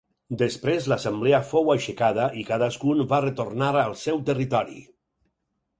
Després l'assemblea fou aixecada i cadascun va retornar al seu territori.